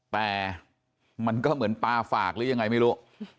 แต่มันก็เหมือนปลาฝากหรือยังไงไม่รู้